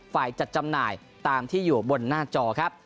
จัดจำหน่ายตามที่อยู่บนหน้าจอครับ